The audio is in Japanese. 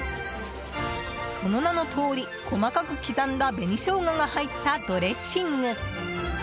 その名のとおり細かく刻んだ紅ショウガが入ったドレッシング。